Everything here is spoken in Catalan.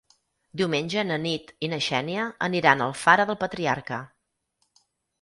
Diumenge na Nit i na Xènia aniran a Alfara del Patriarca.